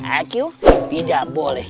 aku tidak boleh